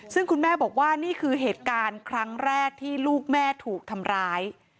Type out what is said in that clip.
ซึ่งคุณแม่บอกว่านี่คือเหตุการณ์ครั้งแรกที่ลูกแม่ถูกทำร้าย